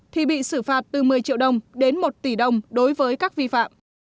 thì bị xử phạt từ một mươi triệu đồng đến một tỷ đồng đối với các vi phạm